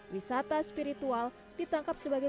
wisata spiritual ditangkap sebagai